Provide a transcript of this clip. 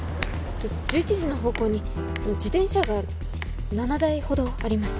１１時の方向に自転車が７台ほどあります